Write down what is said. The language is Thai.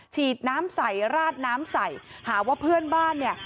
ฉีดน้ำใส่ราดน้ำใส่หาว่าเพื่อนบ้านเนี่ย